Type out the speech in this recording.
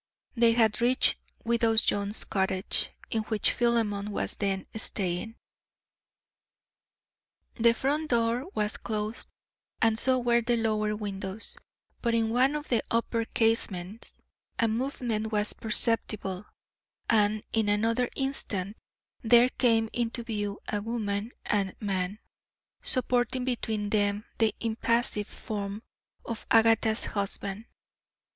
They had reached widow Jones's cottage in which Philemon was then staying. The front door was closed, and so were the lower windows, but in one of the upper casements a movement was perceptible, and in another instant there came into view a woman and man, supporting between them the impassive form of Agatha's husband.